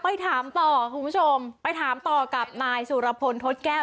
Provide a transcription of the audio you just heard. ไปถามต่อคุณผู้ชมไปถามต่อกับนายสุรพลทศแก้ว